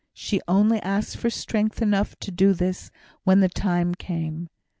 She only asked for strength enough to do this when the time came.